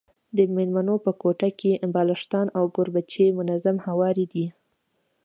د مېلمنو په کوټه کي بالښتان او کوربچې منظم هواري دي.